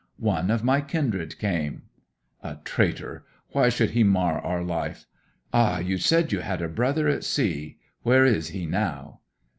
'One of my kindred came.' 'A traitor! Why should he mar our life? Ah! you said you had a brother at sea where is he now?'